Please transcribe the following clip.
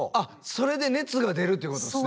それで熱が出るということですね。